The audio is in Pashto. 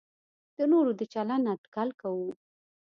د نورو د چلند اټکل کوو.